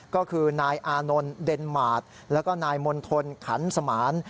ก็คือนายอานนท์เดนมาร์ทแล้วก็นายมณฑลขันสมาน